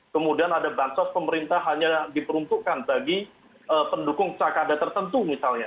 kemudian ada bansos pemerintah hanya diperuntukkan bagi pendukung cakada tertentu misalnya